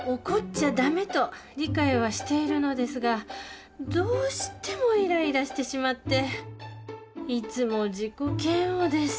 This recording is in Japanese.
怒っちゃダメと理解はしているのですがどうしてもイライラしてしまっていつも自己嫌悪です